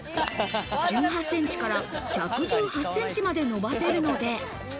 １８センチから１１８センチまで伸ばせるので。